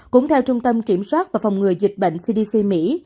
cũng theo trung tâm kiểm soát và phòng ngừa dịch bệnh cdc mỹ